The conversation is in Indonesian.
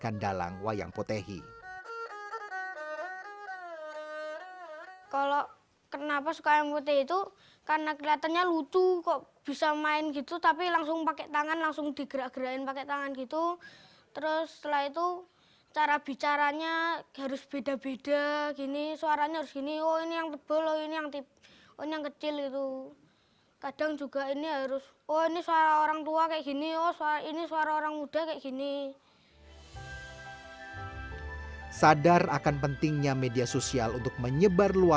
namun usaha lelaki ini